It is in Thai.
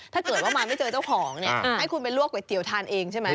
ถ้าเกิดว่ามาไม่เจอเจ้าของเนี่ยให้คุณไปลวกก๋วยเตี๋ยวทานเองใช่ไหม